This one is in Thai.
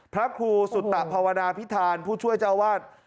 พระครูสุตภาวนาพิธานผู้ช่วยเจ้าวาด